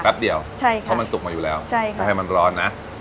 แป๊บเดียวเพราะมันสุกมาอยู่แล้วให้มันร้อนนะใช่ค่ะ